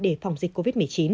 để phòng dịch covid một mươi chín